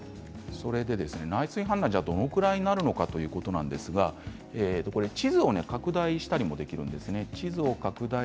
内水氾濫どのぐらいになるのかということですが地図を拡大したりもできるんです。